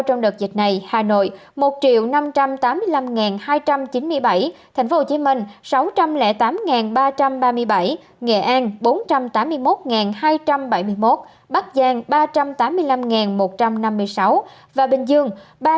trong đợt dịch này hà nội một năm trăm tám mươi năm hai trăm chín mươi bảy tp hcm sáu trăm linh tám ba trăm ba mươi bảy nghệ an bốn trăm tám mươi một hai trăm bảy mươi một bắc giang ba trăm tám mươi năm một trăm năm mươi sáu và bình dương ba trăm tám mươi ba ba trăm tám mươi